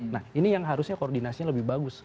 nah ini yang harusnya koordinasinya lebih bagus